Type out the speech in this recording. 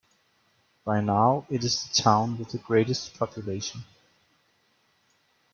By now, it is the town with the greatest population.